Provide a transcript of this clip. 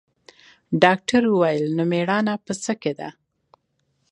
ډاکتر وويل نو مېړانه په څه کښې ده.